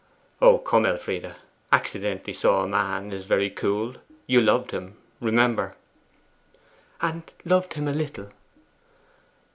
'Oh, come, Elfride. "Accidentally saw a man" is very cool. You loved him, remember.' 'And loved him a little!